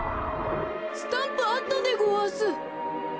スタンプあったでごわす。